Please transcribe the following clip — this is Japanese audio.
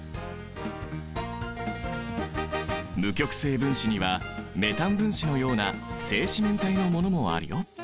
無極性分子にはメタン分子のような正四面体のものもあるよ。